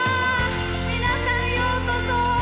皆さんようこそ！